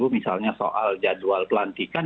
misalnya soal jadwal pelantikan